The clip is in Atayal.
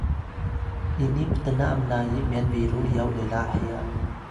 ini ptna mnayi myan biru yaw lela heya